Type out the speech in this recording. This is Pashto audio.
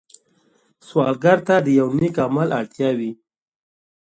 سوالګر ته د یو نېک عمل اړتیا وي